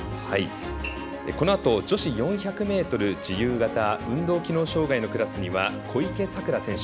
このあと、女子４００ｍ自由形運動機能障がいの暮らすには小池さくら選手。